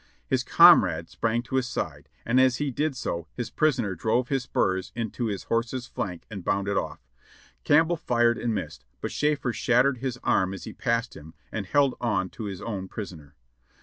His comrade sprang to his side, and as he did so his prisoner drove his spurs into his horse's flank and bounded off. Campbell fired and missed, but Schafer shattered his arm as he passed him, and held on to his own prisoner.